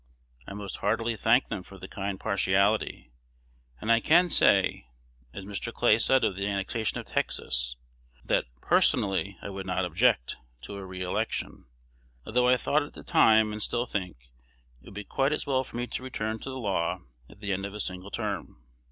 I most heartily thank them for the kind partiality; and I can say, as Mr. Clay said of the annexation of Texas, that "personally I would not object" to a re election, although I thought at the time, and still think, it would be quite as well for me to return to the law at the end of a single term.